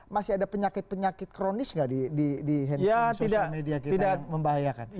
masih ada penyakit penyakit kronis nggak di handphone sosial media kita yang membahayakan